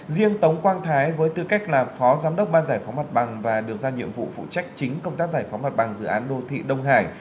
riêng tống quang thái với tư cách là phó giám đốc ban giải phóng mặt bằng và được ra nhiệm vụ phụ trách chính công tác giải phóng mặt bằng dự án đô thị đông hải